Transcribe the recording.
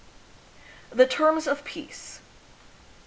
The Terms of Peace.